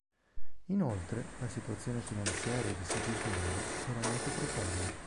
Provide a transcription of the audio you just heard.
Inoltre la situazione finanziaria di Sigismondo era molto precaria.